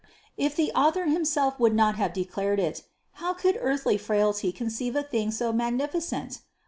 If the Author himself would not have declared it, how could earthly frailty conceive a thing so magnificent